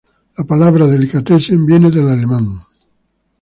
La palabra "delicatessen" viene del alemán.